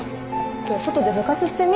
今日外で部活してみ。